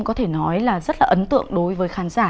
có thể nói là rất là ấn tượng đối với khán giả